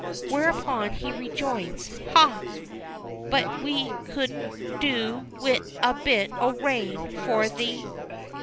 whereupon he rejoins, "Ha! but we could do wi' a bit o' rain for the